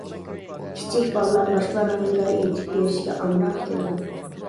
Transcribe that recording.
كىچىك بالىلار باشقىلارنىڭ ھېكايە ئېيتىپ بېرىشىگە ئامراق كېلىدۇ.